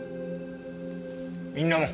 みんなも。